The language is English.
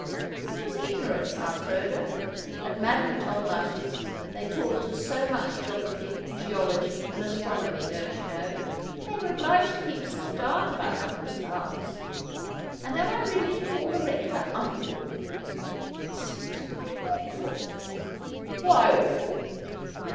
' It was ignorance. Aunt Rhoda. At Madame Tolmache's they taught us so much geography and geology and astronomy, don't you know, that they were obliged to keep us in the dark about uncles and aunts. And am I really to call the Rector, uncle ? It seems quite awful.' 'Why awful?'